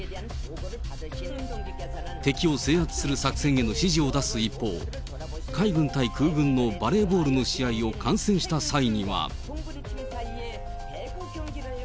敵を制圧する作戦への指示を出す一方、海軍対空軍のバレーボールの試合を観戦した際には。